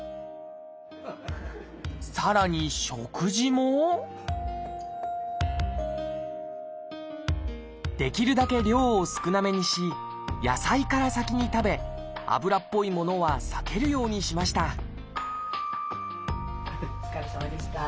さらに食事もできるだけ量を少なめにし野菜から先に食べ油っぽいものは避けるようにしましたお疲れさまでした。